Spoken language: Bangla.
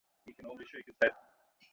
তুমি প্রস্তুত না হওয়া পর্যন্ত অপেক্ষা করব।